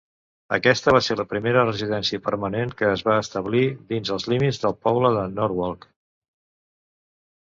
Aquesta va ser la primera residència permanent que es va establir dins els límits del poble de Norwalk.